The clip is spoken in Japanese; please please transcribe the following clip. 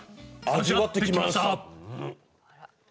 味わってきました。